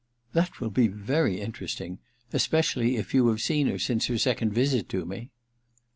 * That will be very interesting— especially if you have seen her since her second visit to me.'